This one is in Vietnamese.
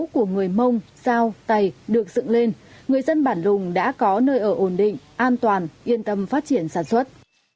của người mông giao tày được dựng lên người dân bản lùng đã có nơi ở ổn định an toàn yên tâm phát triển sản xuất